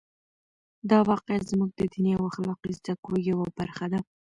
دا واقعه زموږ د دیني او اخلاقي زده کړو یوه برخه ده.